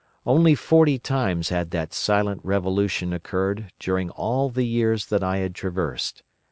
Only forty times had that silent revolution occurred during all the years that I had traversed.